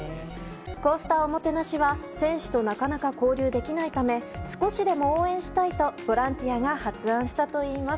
こうしたおもてなしは選手となかなか交流できないため少しでも応援したいとボランティアが発案したといいます。